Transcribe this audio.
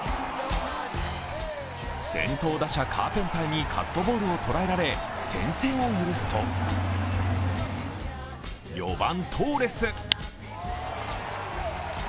先頭打者・カーペンターにカットボールを捉えられ、先制を許すと４番・トーレス。